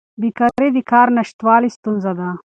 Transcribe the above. بیکاري د کار نشتوالي ستونزه ده.